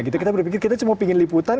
kita berpikir kita cuma ingin liputan